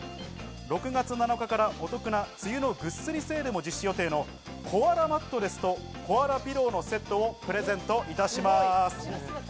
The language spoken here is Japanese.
６月７日からお得な梅雨のぐっすりセールも実施予定のコアラマットレスとコアラピローのセットをプレゼントいたします。